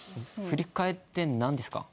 振り替えって何ですか？